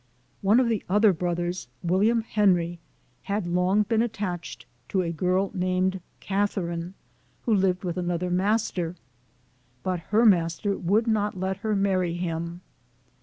One of the other brothers, William Henry, had long been attached to a girl named Catherine, who lived with another master; but her master would not let her marry him.